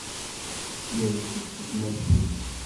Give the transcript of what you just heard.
Yers-d seg tmacint.